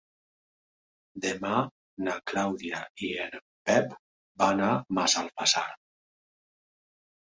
Demà na Clàudia i en Pep van a Massalfassar.